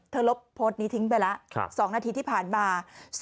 ลบโพสต์นี้ทิ้งไปแล้ว๒นาทีที่ผ่านมา